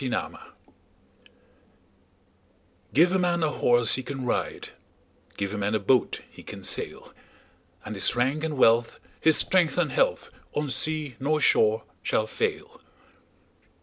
Gifts GIVE a man a horse he can ride, Give a man a boat he can sail; And his rank and wealth, his strength and health, On sea nor shore shall fail.